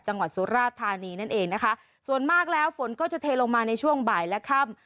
จังหวัดสุราธานีนั่นเองนะคะส่วนมากแล้วฝนก็จะเทลงมาในช่วงบ่ายและค่ำ